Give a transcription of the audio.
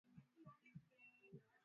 Kuoza kwa haraka